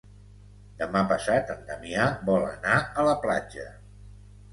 Demà passat en Damià vol anar a la platja.